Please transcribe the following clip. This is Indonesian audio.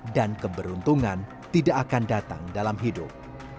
dan keberuntungan tidak akan datang dalam hidup